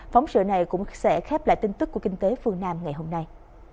phóng sự này cũng sẽ khép lại tin tức của kinh tế phương nam ngày hôm nay